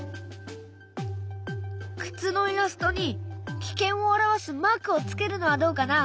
靴のイラストに危険を表すマークをつけるのはどうかな？